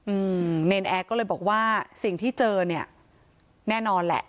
อืมเนรนแอร์ก็เลยบอกว่าสิ่งที่เจอเนี้ยแน่นอนแหละ